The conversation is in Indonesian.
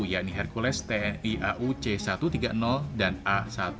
yakni hercules tni au c satu ratus tiga puluh dan a seribu tiga ratus enam belas